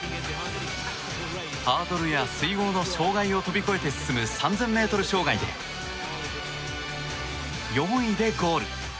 ハードルや水濠の障害を跳び越えて進む３０００ｍ障害で４位でゴール。